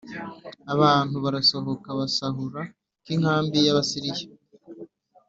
Abantu barasohoka basahura k inkambi y Abasiriya